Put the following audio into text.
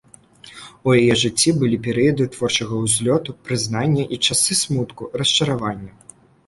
У яе жыцці былі перыяды творчага ўзлёту, прызнання і часы смутку, расчаравання.